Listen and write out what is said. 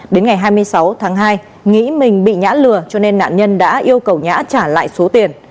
đến ngày hai mươi sáu tháng hai nghĩ mình bị nhã lừa cho nên nạn nhân đã yêu cầu nhã trả lại số tiền